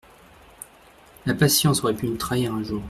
La patience aurait pu me trahir un jour.